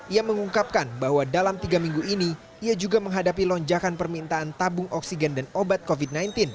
ia mengungkapkan bahwa dalam tiga minggu ini ia juga menghadapi lonjakan permintaan tabung oksigen dan obat covid sembilan belas